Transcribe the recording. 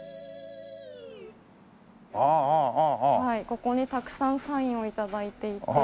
ここにたくさんサインを頂いていて。